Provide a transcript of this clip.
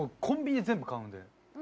コンビニで全部買うんで。